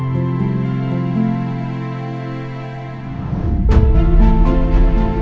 hmm itu buang burin